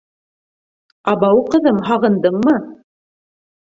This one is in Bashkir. — Абау, ҡыҙым, һағындыңмы?